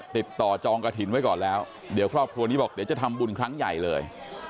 จองกระถิ่นไว้ก่อนแล้วเดี๋ยวครอบครัวนี้บอกเดี๋ยวจะทำบุญครั้งใหญ่เลย